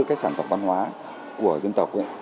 cái sản phẩm văn hóa của dân tộc ấy